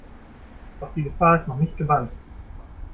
Doch die Gefahr ist noch nicht gebannt.